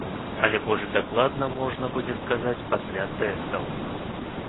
Але больш дакладна можна будзе сказаць пасля тэстаў.